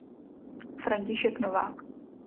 František Novák.